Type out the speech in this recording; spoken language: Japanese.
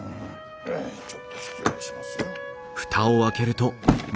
ちょっと失礼しますよ。